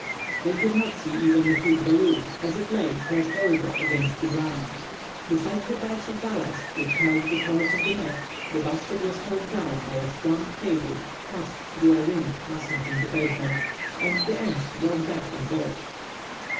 They could not see even the huge balloon, as it lay pressed over against the ground. Beside the bags of ballast which held the cords of the net, the basket was held down by a strong cable passed through a ring fastened in the pavement, and the ends brought back on board.